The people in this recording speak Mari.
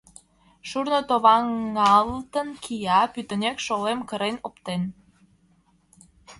Шурно товаҥалтын кия, пӱтынек шолем кырен оптен.